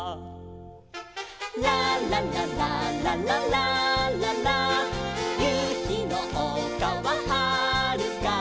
「ラララララララララ」「ゆうひのおかははるか」